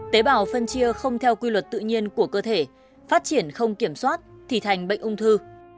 tế bào phân chia không theo quy luật tự nhiên của cơ thể phát triển không kiểm soát thì thành bệnh ung thư